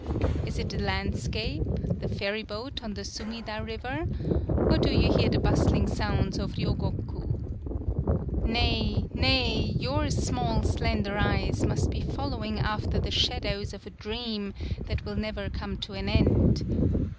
Is it the landscape, the ferryboat on the Sumida river, or do you hear the bustling sounds of Ryogoku? Nay, nay, your small, slender eyes must be following after the shadows of the dream that will never come to an end.